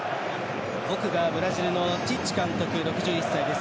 奥がブラジルのチッチ監督６１歳です。